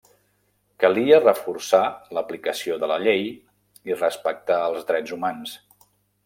Calia reforçar l'aplicació de la llei i respectar els drets humans.